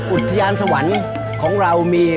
อุทยานสวรรค์ของเรามี